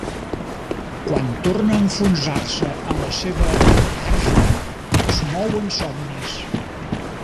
Quan torna a enfonsar-se en la seva letargia, es mou en somnis.